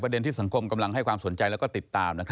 ประเด็นที่สังคมกำลังให้ความสนใจและติดตาม